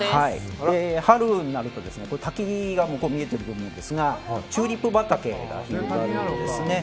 春になると滝が見えていると思うんですがチューリップ畑が広がるんですね。